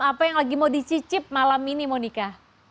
apa yang lagi mau dicicip malam ini monika